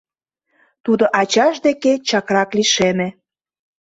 Тудо ачаж деке чакрак лишеме.